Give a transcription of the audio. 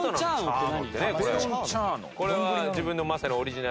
これは自分のまさにオリジナル？